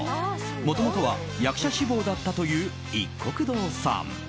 もともとは役者志望だったといういっこく堂さん。